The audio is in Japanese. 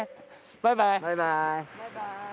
バイバイ！